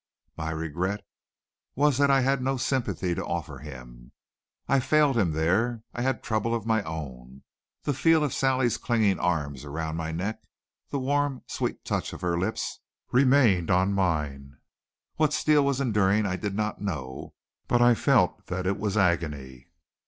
My regret was that I had no sympathy to offer him. I failed him there. I had trouble of my own. The feel of Sally's clinging arms around my neck, the warm, sweet touch of her lips remained on mine. What Steele was enduring I did not know, but I felt that it was agony.